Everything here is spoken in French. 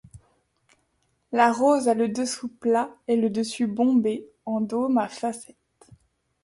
La rose a le dessous plat et le dessus bombé en dôme à facettes.